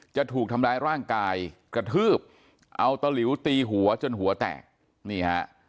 จะถูกทำร้ายร่างกายกระทืบเอาตะหลิวตีหัวจนหัวแตกนี่ฮะ